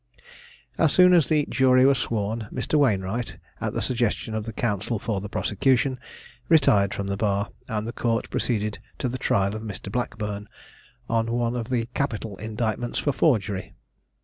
As soon as the jury were sworn, Mr. Wainewright, at the suggestion of the counsel for the prosecution, retired from the bar, and the court proceeded to the trial of Mr. Blackburn, on one of the capital indictments for forgery.